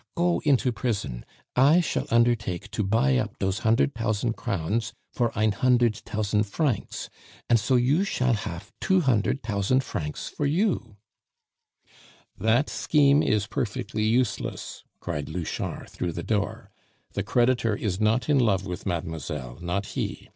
Go into prison. I shall undertake to buy up dose hundert tousant crowns for ein hundert tousant francs, an' so you shall hafe two hundert tousant francs for you " "That scheme is perfectly useless," cried Louchard through the door. "The creditor is not in love with mademoiselle not he!